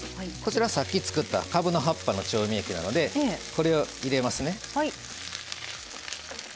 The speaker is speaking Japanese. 先ほど作ったかぶの葉っぱの調味液なのでこれを入れますね。